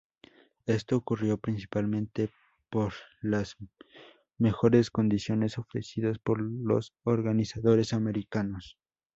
Esto ocurrió principalmente por las mejores condiciones ofrecidas por los organizadores americanos.